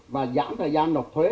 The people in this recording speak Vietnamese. và giảm thời gian nộp thuế